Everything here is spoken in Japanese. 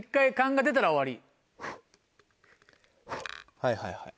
はいはいはい。